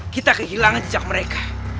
kita kehilangan jejak mereka